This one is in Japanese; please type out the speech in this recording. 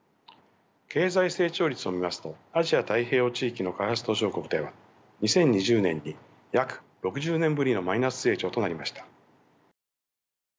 経済成長率を見ますとアジア・太平洋地域の開発途上国では２０２０年に約６０年ぶりのマイナス成長となりました。